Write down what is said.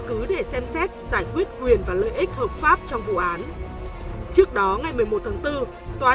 cứ để xem xét giải quyết quyền và lợi ích hợp pháp trong vụ án trước đó ngày một mươi một tháng bốn tòa